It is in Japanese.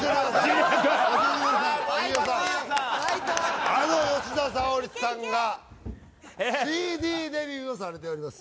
ジュニアくん飯尾さんあの吉田沙保里さんがＣＤデビューをされております